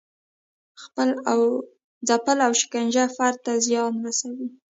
ځپل او شکنجه فرد ته زیان رسوي.